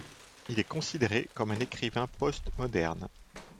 Il est considéré comme un écrivain post-moderne.